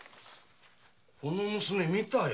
この娘見たよ。